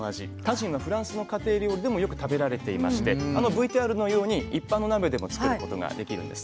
タジンはフランスの家庭料理でもよく食べられていましてあのＶＴＲのように一般の鍋でも作ることができるんですね。